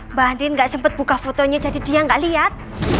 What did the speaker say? mbak andin gak sempet buka fotonya jadi dia gak liat